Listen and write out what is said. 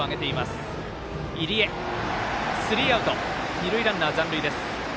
二塁ランナー、残塁です。